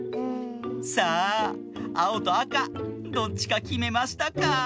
さああおとあかどっちかきめましたか？